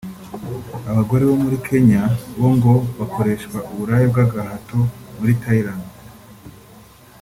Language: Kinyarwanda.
Abagore bo muri Kenya bo ngo bakoreshwa uburaya bw’agahato muri Thailand